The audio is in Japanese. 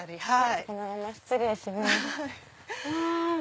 はい。